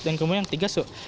dan kemudian yang ketiga